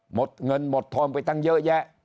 หมดเงินหมดทองไปตังค์เยอะแยะ